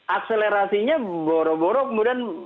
akselerasinya boro boro kemudian